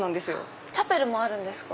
チャペルもあるんですか！